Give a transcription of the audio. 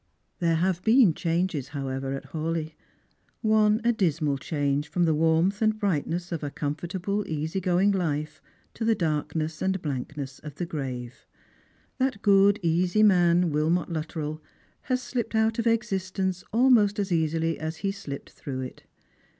There have been changes, however, at Hawleigh. One, a dismal change from the warmth and brightness of a comfortable easy going life to the darkness and blankness of the grave. That good easy man, Wilmot Luttrell, has slipped out of existence almost as easily as he slipped through it.